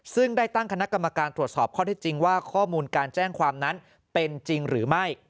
ซึ่งได้ตั้งคณะกรรมการตรวจสอบข้อที่จริงว่าข้อมูลการแจ้งความนั้นเป็นจริงหรือไม่